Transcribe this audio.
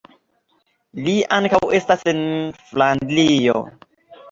Li ankaŭ estas el Flandrio.